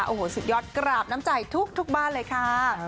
โอ้โหสุดยอดกราบน้ำใจทุกบ้านเลยค่ะ